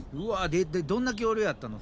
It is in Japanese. でどんな恐竜やったの？